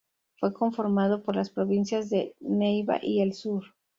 Fue conformado por las provincias de neiva y el sur.